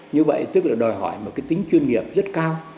như vậy tức là đòi hỏi một cái tính chuyên nghiệp rất cao